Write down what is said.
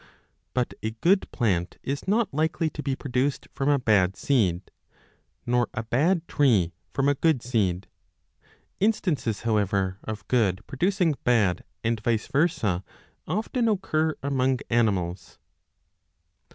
But a good plant is not likely to be produced from a bad seed, nor a bad tree from a good 10 seed. Instances, however, of good producing bad and vice versa often occur among animals.